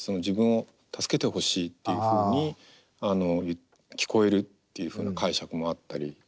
自分を助けてほしいっていうふうに聞こえるっていうふうな解釈もあったり。